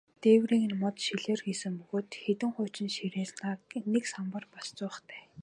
Дээврийг нь мод, шилээр хийсэн бөгөөд хэдэн хуучин ширээ, нэг самбар, бас зуухтай.